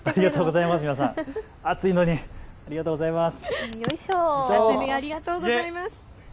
暑いのにありがとうございます。